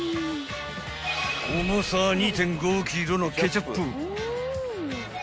［重さ２．５ｋｇのケチャップ］